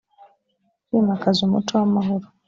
kwimakaza umuco w amahoro